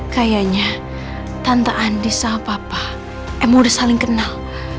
kayaknya tante andis sama papa emang udah saling kenal